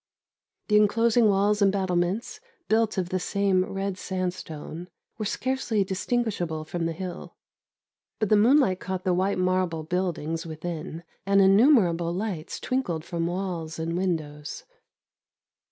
The enclosing walls and battlements, built of the same red sandstone, were scarcely distinguishable from the hill; but the moonlight caught the white marble buildings within, and innumerable lights twinkled from walls and windows.